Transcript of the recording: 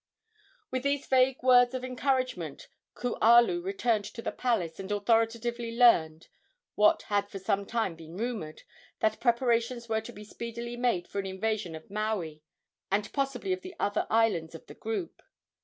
With these vague words of encouragement Kualu returned to the palace, and authoritatively learned, what had for some time been rumored, that preparations were to be speedily made for an invasion of Maui, and possibly of the other islands of the group.